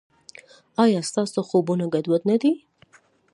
ایا ستاسو خوبونه ګډوډ نه دي؟